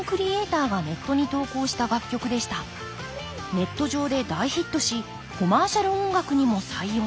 ネット上で大ヒットしコマーシャル音楽にも採用。